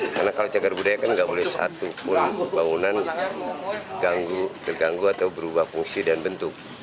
karena kalau jagar budaya kan nggak boleh satu pun bangunan terganggu atau berubah fungsi dan bentuk